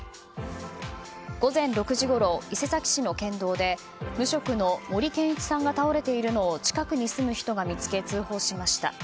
午前６時ごろ、伊勢崎市の県道で無職の森堅一さんが倒れているのを近くに住む人が見つけ通報しました。